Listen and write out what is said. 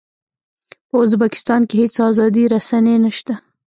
په ازبکستان کې هېڅ ازادې رسنۍ نه شته.